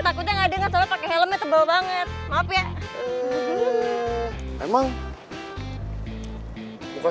iya karena installed pairnya jenis tuhan